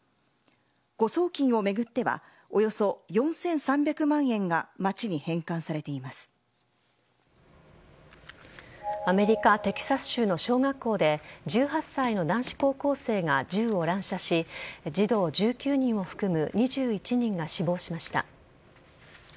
誤送金を巡ってはおよそ４３００万円がアメリカ・テキサス州の小学校で１８歳の男子高校生が銃を乱射し児童１９人を含む２１人が死亡しました。